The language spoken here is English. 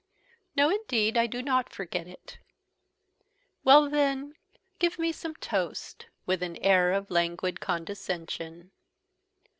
"No indeed, I do not forget it. Well then, give me some toast," with an air of languid condescension.